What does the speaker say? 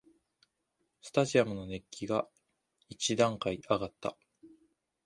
スタジアムの熱気が一段階あがった